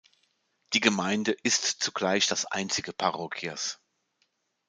Die Gemeinde ist zugleich das einzige Parroquias.